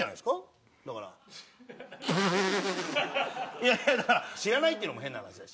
いやいや知らないっていうのも変な話だし。